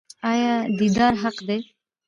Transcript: آیا دیدار حق دی؟